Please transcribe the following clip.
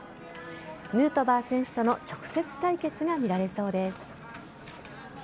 ヌートバー選手との直接対決が見られそうです。